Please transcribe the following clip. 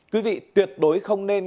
quý vị tuyệt đối không nên